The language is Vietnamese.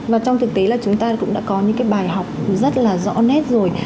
và trong thực tế là chúng ta cũng đã có những cái bài học rất là rõ nét rồi